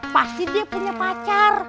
pasti dia punya pacar